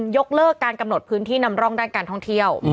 ยกเลิกการกำหนดพื้นที่นำร่องด้านการท่องเที่ยว